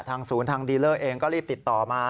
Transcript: ศูนย์ทางดีเลอร์เองก็รีบติดต่อมา